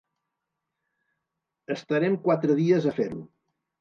Estarem quatre dies a fer-ho.